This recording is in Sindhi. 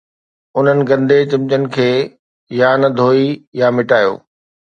انهن گندي چمچن کي يا ته ڌوئي يا مٽايو